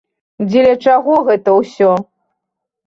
Дзеля чаго гэта ўсё?